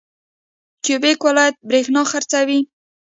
کیوبیک ولایت بریښنا خرڅوي.